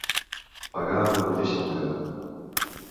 Pagar amb la mateixa moneda.